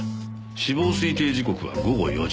死亡推定時刻は午後４時。